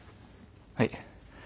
はい。